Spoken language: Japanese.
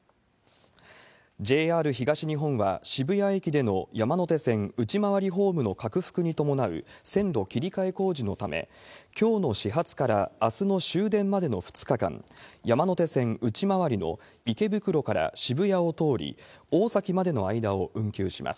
ＪＲ東日本は、渋谷駅での山手線内回りホームの拡幅に伴う線路切り替え工事のため、きょうの始発からあすの終電までの２日間、山手線内回りの池袋から渋谷を通り、大崎までの間を運休します。